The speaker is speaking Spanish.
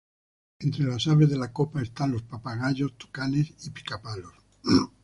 Entre las aves de la copa están los papagayos, tucanes y pica-palos.